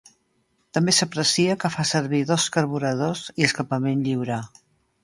També s'aprecia que fa servir dos carburadors, i escapament lliure.